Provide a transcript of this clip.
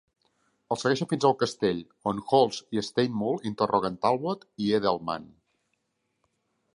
El segueixen fins al castell, on Holtz i Steinmuhl interroguen Talbot i Edelmann.